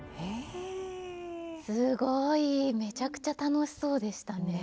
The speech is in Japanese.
すごいめちゃくちゃ楽しそうでしたね。